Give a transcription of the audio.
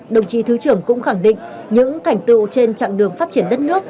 đồng chí thứ trưởng cũng khẳng định những thành tựu trên chặng đường phát triển đất nước